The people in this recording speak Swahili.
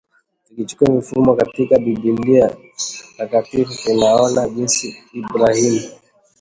Tukichukua mifano katika Biblia takatifu tunaona jinsi Ibrahim